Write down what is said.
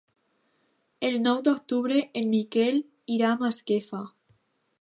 El nou d'octubre en Miquel irà a Masquefa.